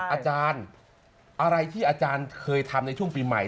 อาจารย์อะไรที่อาจารย์เคยทำในช่วงปีใหม่